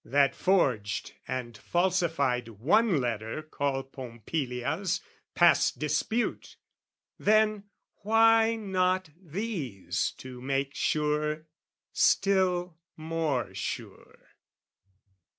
that forged and falsified One letter called Pompilia's, past dispute: Then why not these to make sure still more sure?